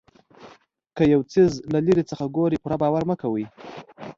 که یو څیز له لرې څخه ګورئ پوره باور مه کوئ.